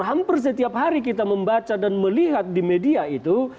hampir setiap hari kita membaca dan melihat di media itu